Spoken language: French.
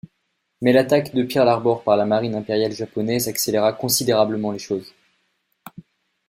Mais l'attaque de Pearl Harbor par la Marine Impériale Japonaise accéléra considérablement les choses.